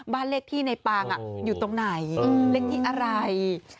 บ้านเลขที่ในปางอยู่ตรงไหนเลขที่อะไร